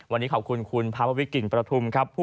วันนี้ขอบคุณคุณภาพวิกิริประธุมนร์ครับ